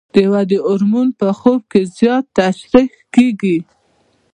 د ودې هورمون په خوب کې زیات ترشح کېږي.